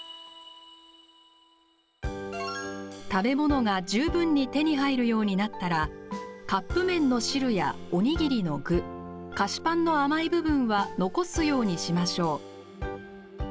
食べ物が十分に手に入るようになったらカップ麺の汁や、おにぎりの具菓子パンの甘い部分は残すようにしましょう。